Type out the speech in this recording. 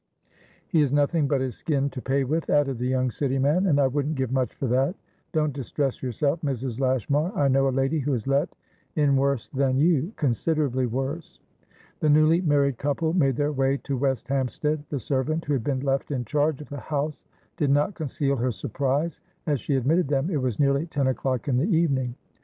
"He has nothing but his skin to pay with," added the young City man, "and I wouldn't give much for that. Don't distress yourself, Mrs. Lashmar; I know a lady who is let in worse than youconsiderably worse." The newly married couple made their way to West Hampstead. The servant who had been left in charge of the house did not conceal her surprise as she admitted them. It was nearly ten o'clock in the evening.